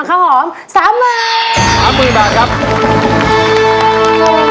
ข้าวหอมสามหมื่นสามหมื่นบาทครับ